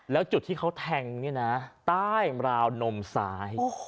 แล้วจุดที่เขาแทงเนี่ยนะใต้ราวนมซ้าย